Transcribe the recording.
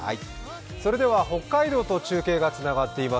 それでは北海道と中継がつながっています。